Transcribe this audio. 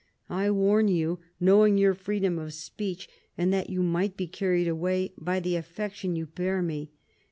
I warn you, knowing your freedom of speech, and that you might be carried away by the affection you bear me.